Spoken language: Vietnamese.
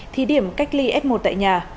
thì điểm cách ly f một tại nhà